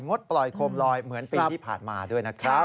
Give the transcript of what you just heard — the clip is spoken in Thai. ดปล่อยโคมลอยเหมือนปีที่ผ่านมาด้วยนะครับ